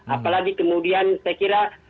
apalagi kemudian saya kira